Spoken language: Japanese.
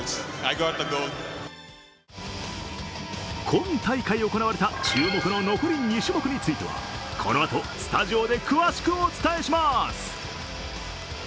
今大会行われた注目の残り２種目についてはこのあとスタジオで詳しくお伝えします。